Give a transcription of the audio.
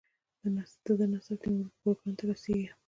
د ده نسب تیمور ګورکان ته رسیږي.